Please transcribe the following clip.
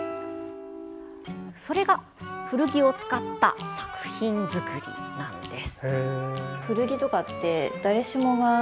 それが、古着を使った作品作りです。